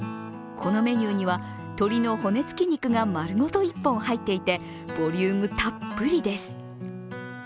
このメニューには鶏の骨付き肉が丸ごと１本入っていて、ボリュームたっぷりです。